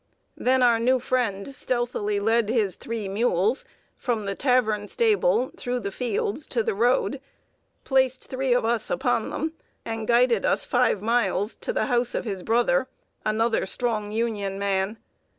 Then our new friend stealthily led his three mules from the tavern stable, through the fields to the road, placed three of us upon them, and guided us five miles, to the house of his brother, another strong Union man.